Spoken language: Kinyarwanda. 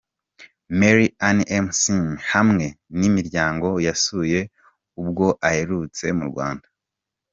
Mary Ann McMinn hamwe n'imiryango yasuye ubwo aherutse mu Rwanda.